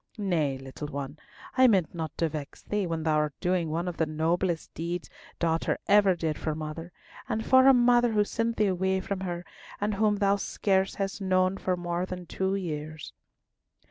Nay, little one, I meant not to vex thee, when thou art doing one of the noblest deeds daughter ever did for mother, and for a mother who sent thee away from her, and whom thou hast scarce known for more than two years!"